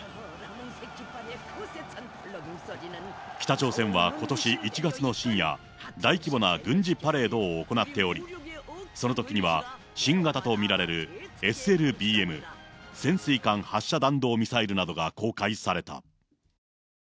北朝鮮はことし１月の深夜、大規模な軍事パレードを行っており、そのときには新型と見られるＳＬＢＭ・潜水艦発射弾道ミサイルなどが公開された。